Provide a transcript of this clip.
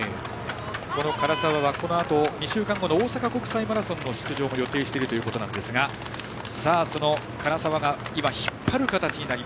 唐沢は２週間後の大阪国際マラソンの出場も予定しているということですがその唐沢が引っ張る形。